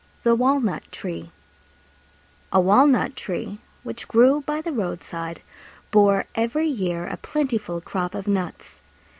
THE WALNUT TREE A Walnut tree, which grew by the roadside, bore every year a plentiful crop of nuts.